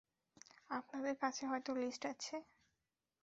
আপনাদের কাছে হয়ত লিস্ট আছে?